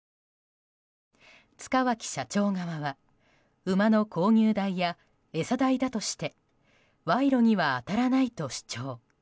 塚脇社長側は馬の購入代や餌代だとして賄賂には当たらないと主張。